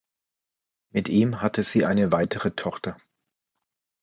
Mit ihm hatte sie eine weitere Tochter.